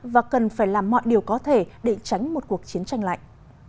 và cần phải làm mọi điều có thể để tránh một cuộc chiến tranh lạnh